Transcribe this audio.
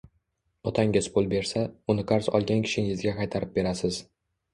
Otangiz pul bersa, uni qarz olgan kishingizga qaytarib berasiz.